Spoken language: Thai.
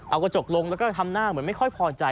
เอากระจกลงแล้วก็ทำหน้าเหมือนไม่ค่อยพอใจ